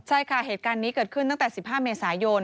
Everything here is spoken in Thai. ใช่ค่ะเหตุการณ์นี้เกิดขึ้นตั้งแต่๑๕เมษายน